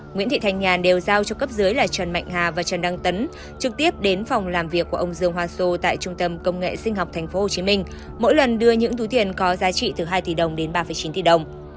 nguyễn thị thanh nhàn đều giao cho cấp dưới là trần mạnh hà và trần đăng tấn trực tiếp đến phòng làm việc của ông dương hoa sô tại trung tâm công nghệ sinh học tp hcm mỗi lần đưa những túi tiền có giá trị từ hai tỷ đồng đến ba chín tỷ đồng